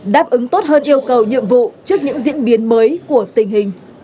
đáp ứng tốt hơn yêu cầu nhiệm vụ trước những diễn biến mới của tình hình